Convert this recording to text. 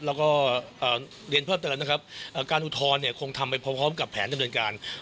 แล้วก็เรียนเพิ่มเติมนะครับการอุทธรณ์เนี่ยคงทำไปพร้อมกับแผนดำเนินการ